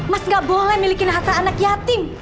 mas gak boleh milikin harta anak yatim